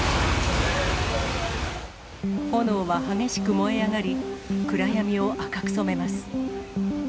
炎は激しく燃え上がり、暗闇を赤く染めます。